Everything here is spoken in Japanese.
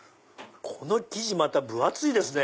この生地また分厚いですね。